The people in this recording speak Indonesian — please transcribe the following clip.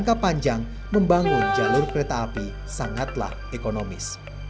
jangka panjang membangun jalur kereta api sangatlah ekonomis